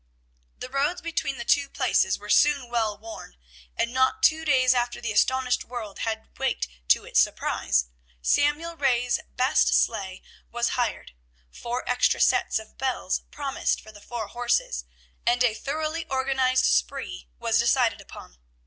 The roads between the two places were soon well worn, and not two days after the astonished world had waked to its surprise, Samuel Ray's best sleigh was hired, four extra sets of bells promised for the four horses, and a thoroughly organized "spree" was decided upon.